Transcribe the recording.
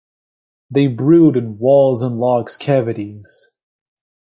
They brood in walls and logs cavities.